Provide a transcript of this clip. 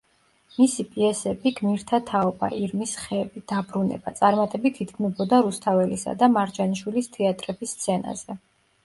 მისი პიესები „გმირთა თაობა“, „ირმის ხევი“, „დაბრუნება“ წარმატებით იდგმებოდა რუსთაველისა და მარჯანიშვილის თეატრების სცენაზე.